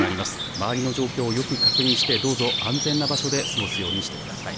周りの状況をよく確認してどうぞ安全な場所で過ごすようにしてください。